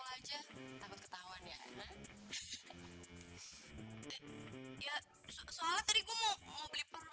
dan juga buat biaya sehari hari